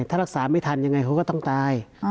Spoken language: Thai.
ถ้ารักษาไม่ทันยังไงเขาก็ต้องตาย